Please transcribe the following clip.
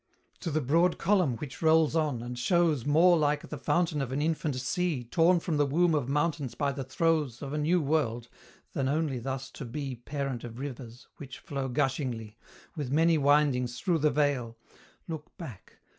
To the broad column which rolls on, and shows More like the fountain of an infant sea Torn from the womb of mountains by the throes Of a new world, than only thus to be Parent of rivers, which flow gushingly, With many windings through the vale: Look back!